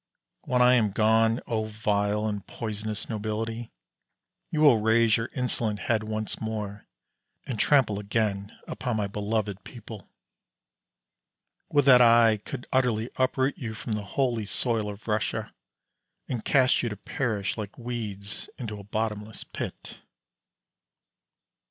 When I am gone, O vile and poisonous nobility, you will raise your insolent head once more, and trample again upon my beloved people. Would that I could utterly uproot you from the holy soil of Russia, and cast you to perish like weeds into a bottomless pit.